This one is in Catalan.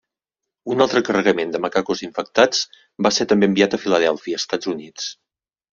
Un altre carregament de macacos infectats va ser també enviat a Filadèlfia, Estats Units.